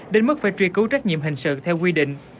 đến mức phải truy cứu trách nhiệm hình sự theo quy định